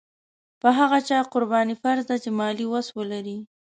په هغه چا قرباني فرض ده چې مالي وس ولري.